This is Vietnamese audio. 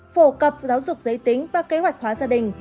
phổ cập giáo dục giới tính và kế hoạch hóa gia đình